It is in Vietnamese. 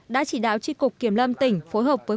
đã chỉ đạo tri cục kiểm lâm tỉnh phối hợp với